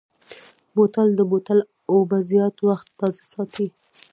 بوتل د بوتل اوبه زیات وخت تازه ساتي.